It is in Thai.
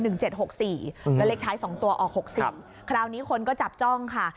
แล้วเลขท้าย๒ตัวออก๖๐คราวนี้คนก็จับจ้องค่ะ